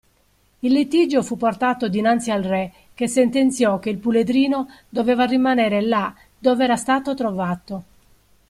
Il litigio fu portato dinanzi al re che sentenziò che il puledrino doveva rimanere là dove era stato trovato.